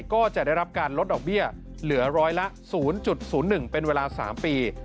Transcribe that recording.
ก็จะได้รับการลดดอกเบี้ยเหลือร้อยละ๐๐๑เป็นเวลา๓ปี